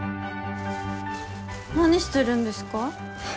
何してるんですか？